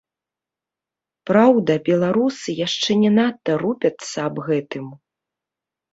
Праўда, беларусы яшчэ не надта рупяцца аб гэтым.